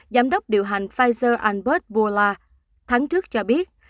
giám đốc điều hành pfizer ambosvilla tháng trước cho biết